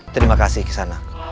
terima kasih kisanak